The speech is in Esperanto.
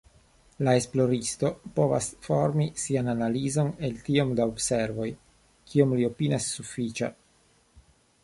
La esploristo povas formi sian analizon el tiom da observoj, kiom li opinias sufiĉa.